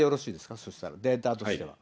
そしたらデータとして。